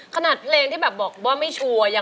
ขนาดเพลงที่บอกว่าไม่ชัวร์